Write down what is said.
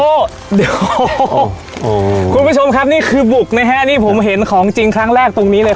โอ้โหคุณผู้ชมครับนี่คือบุกนะฮะนี่ผมเห็นของจริงครั้งแรกตรงนี้เลย